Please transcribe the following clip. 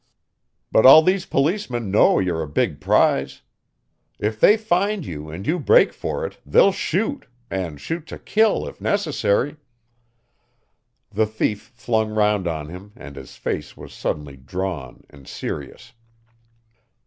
"But all these policemen know you're a big prize. If they find you and you break for it, they'll shoot and shoot to kill if necessary." The thief flung round on him and his face was suddenly drawn and serious.